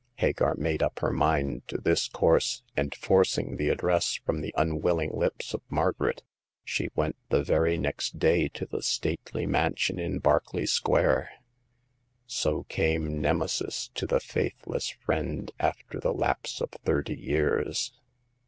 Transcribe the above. Hagar made up her mind to this course^ and forcing th^ address from the The Sixth Customer. 173 unwilling lips of Margaret, she went the very next day to the stately mansion in Berkeley Square. So came Nemesis to the faithless friend after the lapse of thirty years.